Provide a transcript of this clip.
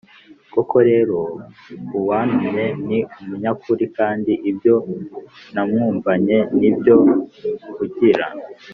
Koko rero uwantumye ni umunyakuri kandi ibyo namwumvanye ni byo mvugira